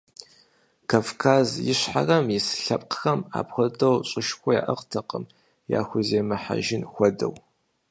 Кавказ Ищхъэрэм ис лъэпкъхэм апхуэдэу щӀышхуэ яӀыгътэкъым, яхуземыхьэжын хуэдэу.